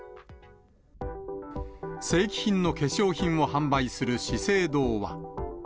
正規品の化粧品を販売する資生堂は。